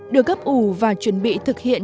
được gấp ủ và chuẩn bị thực hiện